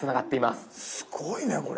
すごいねこれ。